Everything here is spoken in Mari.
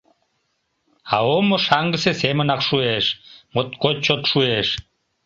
А омо шаҥгысе семынак шуэш, моткоч чот шуэш!